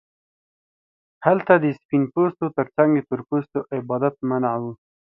هلته د سپین پوستو ترڅنګ د تور پوستو عبادت منع و.